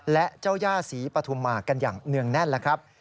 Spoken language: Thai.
และเจ้าย่าศรีปฐุมากันอย่างเนื่องแน่นแล้วครับ